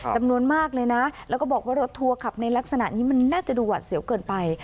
จำนวนมากเลยนะแล้วก็บอกว่ารถทัวร์ขับในลักษณะนี้มันน่าจะดูหวัดเสียวเกินไป